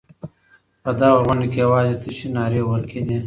په دغه غونډه کې یوازې تشې نارې وهل کېدې.